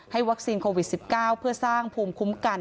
วัคซีนโควิด๑๙เพื่อสร้างภูมิคุ้มกัน